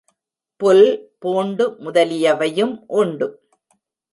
புல், பூண்டு முதலியவையும் உண்டு.